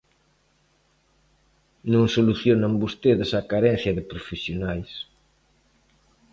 Non solucionan vostedes a carencia de profesionais.